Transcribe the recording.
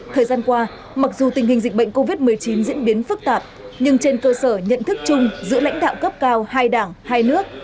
thời gian qua mặc dù tình hình dịch bệnh covid một mươi chín diễn biến phức tạp nhưng trên cơ sở nhận thức chung giữa lãnh đạo cấp cao hai đảng hai nước